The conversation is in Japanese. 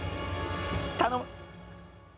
頼む。